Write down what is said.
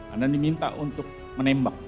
anda diminta untuk menembak